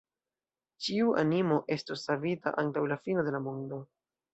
Ĉiu animo estos savita antaŭ la fino de la mondo.